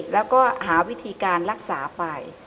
แล้วก็หาวิธีการรักษาไป